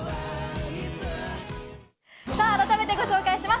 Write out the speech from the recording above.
改めてご紹介します。